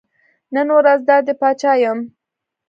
نن ورځ دا دی پاچا یم.